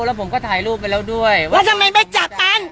แล้วผมก็ถ่ายรูปไปแล้วด้วยว่าทำไมไม่จับกัน